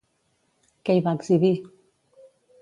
Què hi va exhibir?